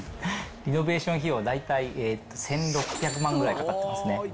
リノベーション費用、大体１６００万ぐらいかかってますね。